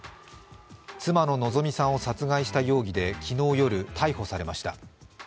妻の希美さんを殺害した容疑で昨日夜、逮捕されました。